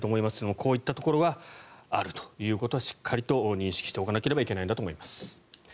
こういったところがあるということはしっかりと認識しておかなければいけないんだと思います。